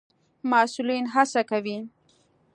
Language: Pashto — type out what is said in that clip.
مسئولين هڅه کوي